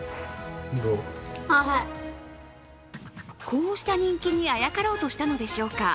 こうした人気にあやかろうとしたのでしょうか。